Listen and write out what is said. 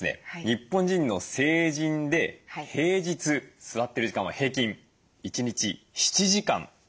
日本人の成人で平日座ってる時間は平均１日７時間なんだそうです。